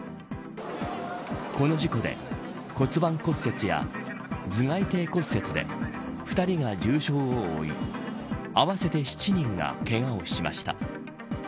この事故で骨盤骨折や頭蓋底骨折で２人が重傷を負い合わせて７人がけがをしました。